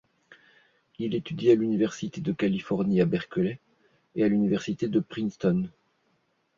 Il étudie à l'université de Californie à Berkeley et à l'université de Princeton.